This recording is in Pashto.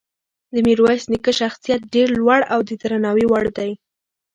د میرویس نیکه شخصیت ډېر لوړ او د درناوي وړ دی.